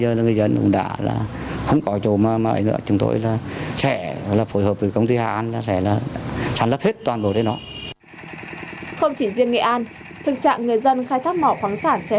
không chỉ riêng nghệ an thực trạng người dân khai thác mỏ khoáng sản trái phép còn diễn ra tại các huyện miền núi tỉnh hà tĩnh quảng bình quảng trị